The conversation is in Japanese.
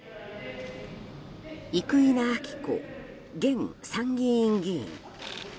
生稲晃子現参議院議員。